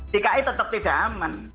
dki tetap tidak aman